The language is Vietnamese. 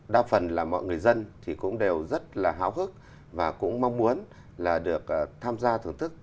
đa phần là mọi người dân thì cũng đều rất là háo hức và cũng mong muốn là được tham gia thưởng thức